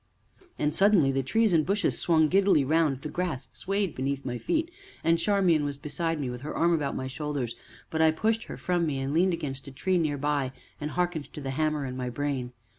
"'" And suddenly the trees and bushes swung giddily round the grass swayed beneath my feet and Charmian was beside me with her arm about my shoulders; but I pushed her from me, and leaned against a tree near by, and hearkened to the hammer in my brain.